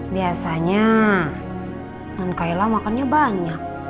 biasanya nen kaila makannya banyak